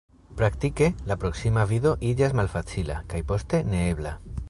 Praktike, la proksima vido iĝas malfacila, kaj poste neebla.